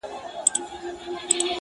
پرده به خود نو، گناه خوره سي.